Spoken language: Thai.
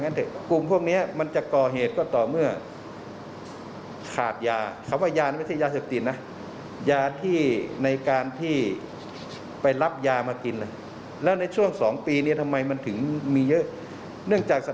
อันนี้คือเจ้าหน้าที่บอกมานะคะ